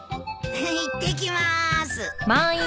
いってきます。